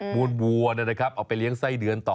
วนวัวนะครับเอาไปเลี้ยงไส้เดือนต่อ